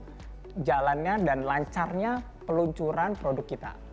itu akan mengganggu jalannya dan lancarnya peluncuran produk kita